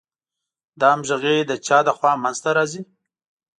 دا همغږي د چا له خوا منځ ته راځي؟